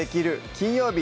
金曜日」